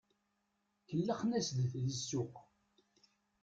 Kellxen-as-d si ssuq.